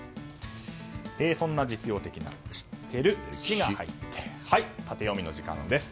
そんな実用的な知ってるの「シ」が入ってタテヨミの時間です。